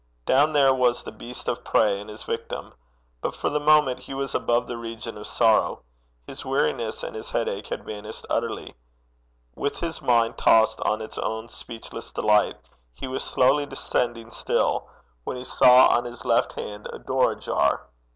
Down there was the beast of prey and his victim; but for the moment he was above the region of sorrow. His weariness and his headache had vanished utterly. With his mind tossed on its own speechless delight, he was slowly descending still, when he saw on his left hand a door ajar.